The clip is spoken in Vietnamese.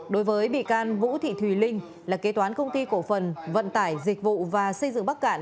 đối với bị can vũ thị thùy linh là kế toán công ty cổ phần vận tải dịch vụ và xây dựng bắc cạn